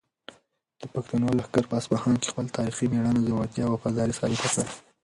د پښتنو لښکر په اصفهان کې خپله تاریخي مېړانه، زړورتیا او وفاداري ثابته کړه.